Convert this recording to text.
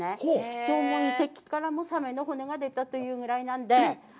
縄文遺跡からもサメの骨が出たというぐらいなんで。